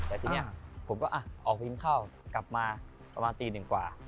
แต่ทีนี้ผมก็ออกกินข้าวกลับมาประมาณตีหนึ่งกว่า